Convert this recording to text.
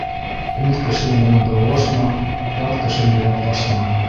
Үҙ кешең менән даулашма, ят кешене яҡлашма.